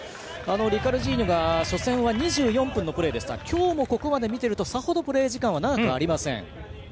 リカルジーニョが初戦は２４分のプレーでしたが今日もここまで見ているとさほどプレー時間は長くありません。